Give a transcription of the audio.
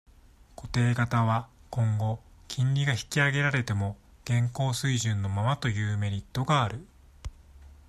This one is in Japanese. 固定型は、今後、金利が引き上げられても、現行水準のままというメリットがある。